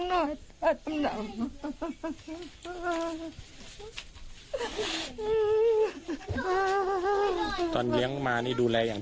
มันช่วยให้ลำบากเว้ยใช่มั้ยยาย